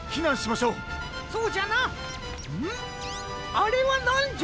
あれはなんじゃ？